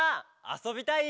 「あそびたい！」